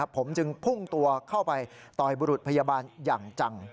ผมจึงพุ่งตัวเข้าไปต่อยบุรุษพยาบาลอย่างจัง